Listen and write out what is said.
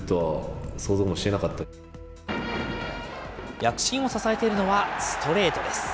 躍進を支えているのはストレートです。